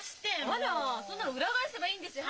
あらそんなの裏返せばいいんですよ。